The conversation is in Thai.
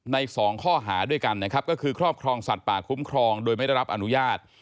สองข้อหาด้วยกันนะครับก็คือครอบครองสัตว์ป่าคุ้มครองโดยไม่ได้รับอนุญาต